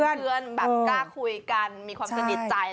เพื่อนแบบกล้าคุยกันมีความสนิทใจ